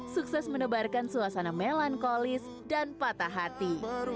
sukses menebarkan suasana melankolis dan patah hati